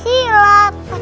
pasti bisa melawan mereka